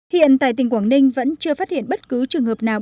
hiện tại tỉnh quảng ninh vẫn chưa phát hiện bất cứ trường hợp nào